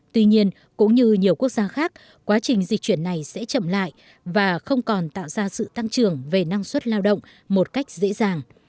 tuy nhiên cũng như nhiều quốc gia khác quá trình dịch chuyển này sẽ chậm lại và không còn tạo ra sự tăng trưởng về năng suất lao động một cách dễ dàng